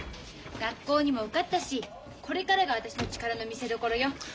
学校にも受かったしこれからが私の力の見せどころよ。